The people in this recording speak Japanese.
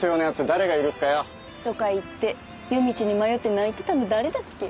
誰が許すかよ。とか言って夜道に迷って泣いてたの誰だっけ？